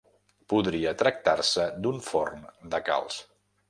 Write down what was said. Podria tractar-se d'un forn de calç.